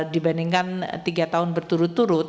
dibandingkan tiga tahun berturut turut